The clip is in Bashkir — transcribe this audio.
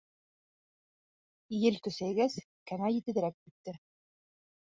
Ел көсәйгәс, кәмә етеҙерәк китте.